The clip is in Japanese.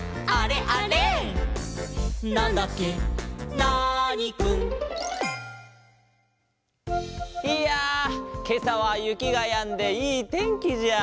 ナーニくん」いやけさはゆきがやんでいいてんきじゃあ。